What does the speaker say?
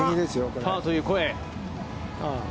ファーという声。